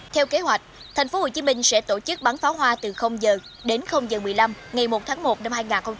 theo kế hoạch tp hcm sẽ tổ chức bắn pháo hoa từ h đến h một mươi năm ngày một tháng một năm hai nghìn hai mươi